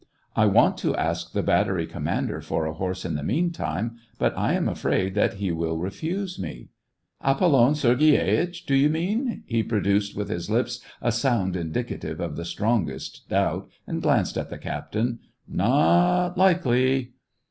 I want to ask the battery commander for a horse in the meantime, but I am afraid that he will refuse me." " Apollon Sergiditch, do you mean }" he pro duced with his lips a sound indicative of the strongest doubt, and glanced at the captain ;" not likely."